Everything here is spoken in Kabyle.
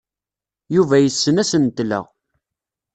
Yuba yessen asentel-a.